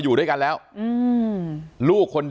ขอบคุณมากครับขอบคุณมากครับ